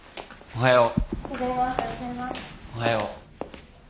おはよう。